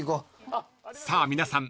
［さあ皆さん